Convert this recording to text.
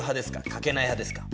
かけない派ですか？